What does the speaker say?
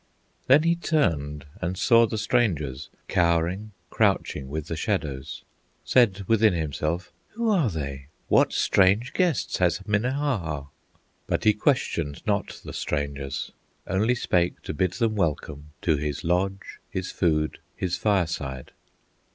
Then he turned and saw the strangers, Cowering, crouching with the shadows; Said within himself, "Who are they? What strange guests has Minnehaha?" But he questioned not the strangers, Only spake to bid them welcome To his lodge, his food, his fireside.